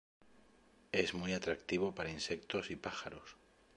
Es muy atractivo para insectos y pájaros.